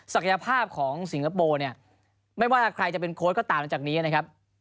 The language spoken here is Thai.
ศักยภาพของสิงคโปร์ไม่ว่าใครจะเป็นโค้ดก็ต่างจากนี้นะครับ